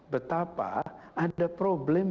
betapa ada problem